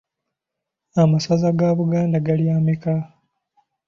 Amasaza ga Buganda gali ameka?